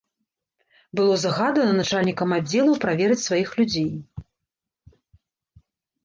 Было загадана начальнікам аддзелаў праверыць сваіх людзей.